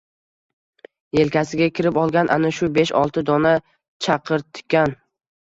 Yelkasiga kirib olgan ana shu besh-olti dona chaqirtikan.